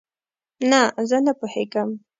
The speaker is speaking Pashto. نه، زه نه پوهیږم